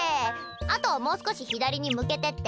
あともう少し左に向けてって。